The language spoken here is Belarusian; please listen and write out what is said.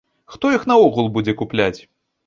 Хто іх наогул будзе купляць?